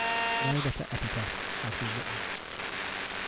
No better epitaph has been written.